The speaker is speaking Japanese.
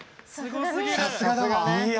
さすがだわ！